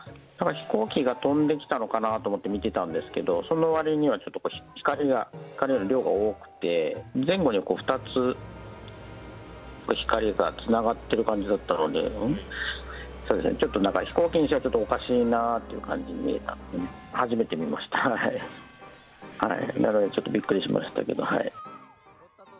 飛行機が飛んできたのかなと思って見てたんですけど、そのわりにはちょっと光の量がかなり量が多くて、前後に２つ光がつながってる感じだったので、そうですね、ちょっと飛行機にしてはおかしいなっていう感じに見えて、初めて見ました、なので、ちょっとびっくりしましたけれども。